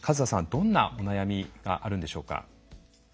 どんなお悩みがあるんでしょうか？